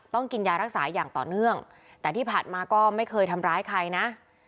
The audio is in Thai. ต้องกินยารักษาอย่างต่อเนื่องแต่ที่ผ่านมาก็ไม่เคยทำร้ายใครนะ